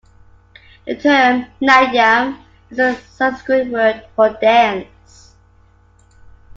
The term "Natyam" is a Sanskrit word for "dance".